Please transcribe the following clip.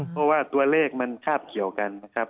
เพราะว่าตัวเลขมันคาบเกี่ยวกันนะครับ